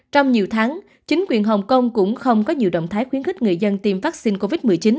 trong nhiều tháng chính quyền hồng kông cũng không có nhiều động thái khuyến khích người dân tiêm vaccine covid một mươi chín